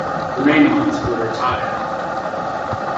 The mean ones were retired.